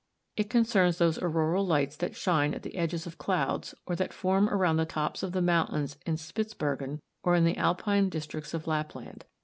It concerns those auroral lights that shine at the edges of clouds, or that form around the tops of the mountains in Spitzbergen or in the Alpine districts of Lapland.